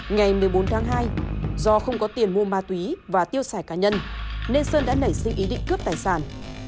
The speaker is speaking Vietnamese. ngày một mươi bốn tháng hai do không có tiền mua ma túy và tiêu xài cá nhân nên sơn đã nảy sinh ý định cướp tài sản